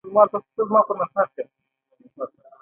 د وخت په ژوندون مجله کې یې جزئیات خپاره شول.